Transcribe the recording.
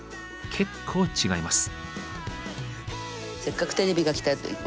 結構違います。